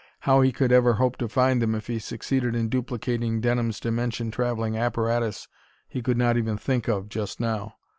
How he could ever hope to find them if he succeeded in duplicating Denham's dimension traveling apparatus he could not even think of, just now.